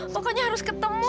pokoknya harus ketemu